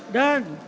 dan pak tni